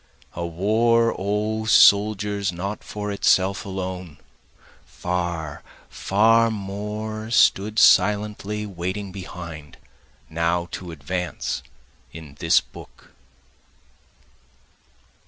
(A war O soldiers not for itself alone, Far, far more stood silently waiting behind, now to advance in this book.)